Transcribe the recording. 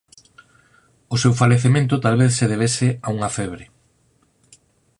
O seu falecemento talvez se debese a unha febre.